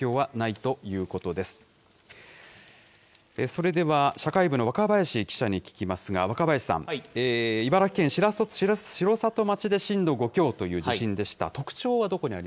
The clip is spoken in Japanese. それでは、社会部のわかばやし記者に聞きますが、若林さん、茨城県城里町で震度５強という地震でした。